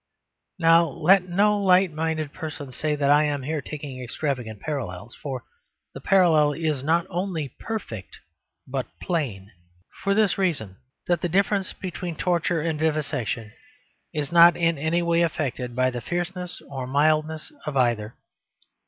Now let no light minded person say that I am here taking extravagant parallels; for the parallel is not only perfect, but plain. For this reason: that the difference between torture and vivisection is not in any way affected by the fierceness or mildness of either.